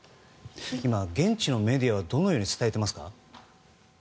現地のメディアはどのように伝えていますか？